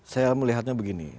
saya melihatnya begini